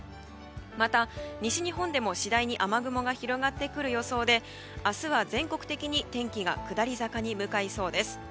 また西日本でも次第に雨雲が広がってくる予想で明日は全国的に天気が下り坂に向かいそうです。